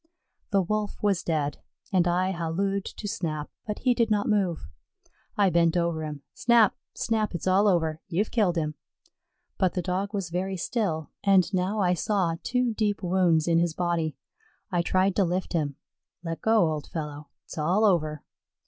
The Wolf was dead, and I hallooed to Snap, but he did not move. I bent over him. "Snap Snap, it's all over; you've killed him." But the Dog was very still, and now I saw two deep wounds in his body. I tried to lift him. "Let go, old fellow; it's all over."